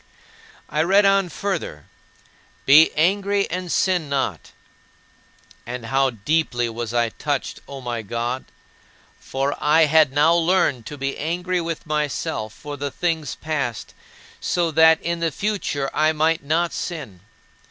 10. I read on further, "Be angry, and sin not." And how deeply was I touched, O my God; for I had now learned to be angry with myself for the things past, so that in the future I might not sin.